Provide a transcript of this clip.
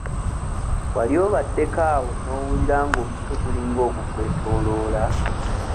Wali obaddeko awo n'owulira ng'omutwe gulinga ogukwetooloola?